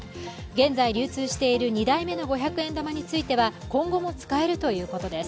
現在流通している２代目の五百円玉については今後も使えるということです。